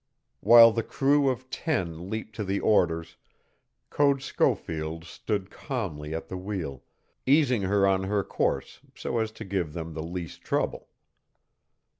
While the crew of ten leaped to the orders, Code Schofield stood calmly at the wheel, easing her on her course, so as to give them the least trouble.